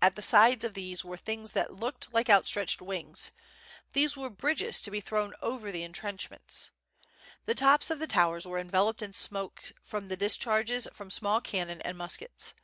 At the sides of these were things that looked like outstretched wings, these were bridges to be thrown over the intrench ments. The tops of the towers were enveloped in smoke from the discharges from small cannon and muskets.